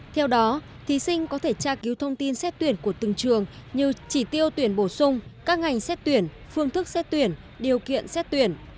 theo đó thí sinh có thể tra cứu thông tin xét tuyển của từng trường như chỉ tiêu tuyển bổ sung các ngành xét tuyển phương thức xét tuyển điều kiện xét tuyển